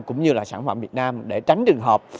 cũng như là sản phẩm việt nam để tránh trường hợp